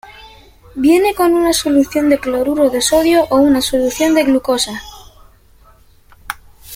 Viene con una solución de cloruro de sodio o una solución de glucosa.